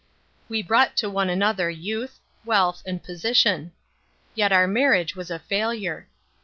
We brought to one another youth, wealth and position. Yet our marriage was a failure.